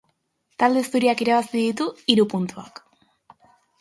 Talde zuriak irabazi ditu hiru puntuak.